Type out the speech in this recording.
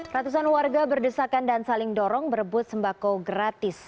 ratusan warga berdesakan dan saling dorong berebut sembako gratis